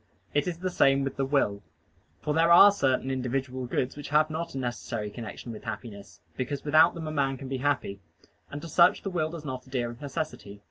It is the same with the will. For there are certain individual goods which have not a necessary connection with happiness, because without them a man can be happy: and to such the will does not adhere of necessity.